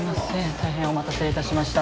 大変お待たせいたしました。